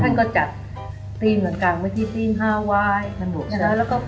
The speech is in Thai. ท่านก็จัดตรีมกลางกลางเมื่อที่ตรีมฮาไวแล้วก็เปิดร้านที่ร้านหน้าพระที่นั่งนะฮะ